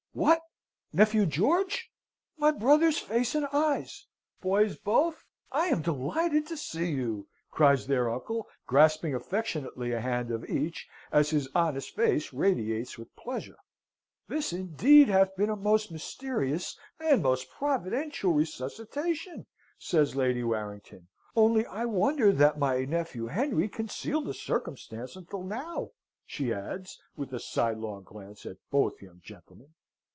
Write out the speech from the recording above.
"What, nephew George? My brother's face and eyes! Boys both, I am delighted to see you!" cries their uncle, grasping affectionately a hand of each, as his honest face radiates with pleasure. "This indeed hath been a most mysterious and a most providential resuscitation," says Lady Warrington. "Only I wonder that my nephew Henry concealed the circumstance until now," she adds, with a sidelong glance at both young gentlemen.